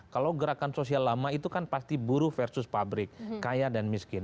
kalau gerakan sosial lama itu kan pasti buruh versus pabrik kaya dan miskin